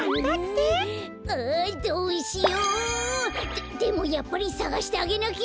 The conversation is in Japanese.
ででもやっぱりさがしてあげなきゃ！